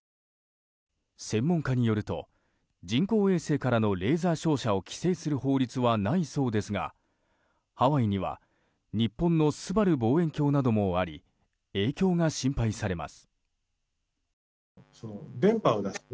専門家によると人工衛星からのレーザー照射を規制する法律はないそうですがハワイには日本のすばる望遠鏡などもあり影響が心配されます。